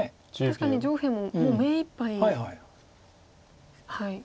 確かに上辺ももう目いっぱい。